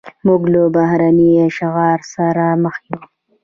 موږ له بهرني اشغال سره مخ یو.